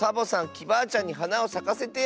きバアちゃんにはなをさかせてよ！